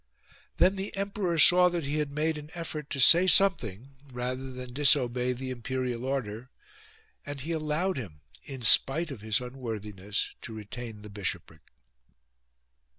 Then the emperor saw that he had made an effort to say something rather than disobey the imperial order ; and he allowed him, in spite of his unworthiness, to retain the bishopric.